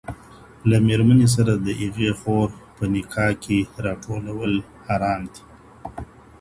له ميرمني سره د هغې خور په نکاح کي راټولول حرام دي.